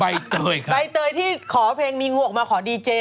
ใบเตยครับใบเตยที่ขอเพลงมีงวกมาขอดีเจ